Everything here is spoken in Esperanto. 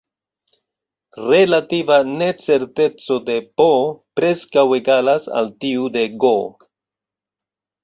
Relativa necerteco de "P" preskaŭ egalas al tiu de "G".